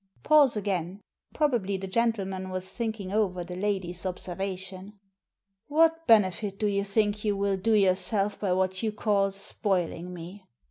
Pause again. Probably the gentleman was thinking over the lady's observation. "What benefit do you think you will do yourself by what you call ' spoiling ' me